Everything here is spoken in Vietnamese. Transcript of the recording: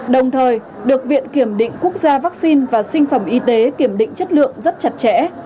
đồng thời được viện kiểm định quốc gia vaccine và sinh phẩm y tế kiểm định chất lượng rất chặt chẽ